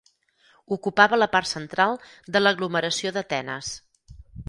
Ocupava la part central de l'aglomeració d'Atenes.